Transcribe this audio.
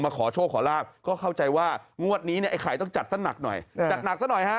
มาขอโชคขอราบก็เข้าใจว่างวดนี้เนี่ยไอ้ไข่ต้องจัดซะหนักหน่อย